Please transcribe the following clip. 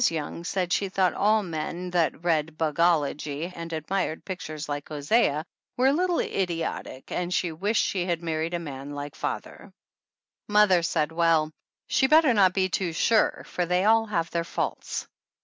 Young said she thought all men that read bugology and admired pic tures like Hosea were a little idiotic and she wished she had married a man like father. 85 THE ANNALS OF ANN Mother said well, she better not be too sure, for they all have their faults.